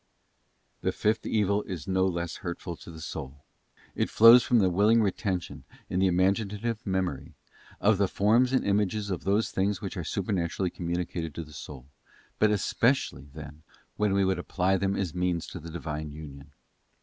Tue fifth evil is no less hurtful to the soul. It flows from the willing retention, in the imaginative Memory, of the forms and images of those things which are supernaturally communicated to the soul, but especially then, when we would apply them as means to the Divine union.